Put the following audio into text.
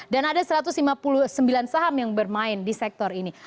dan ada satu ratus lima puluh sembilan saham yang bermain di sektor ini